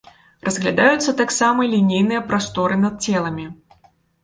Разглядаюцца таксама лінейныя прасторы над целамі.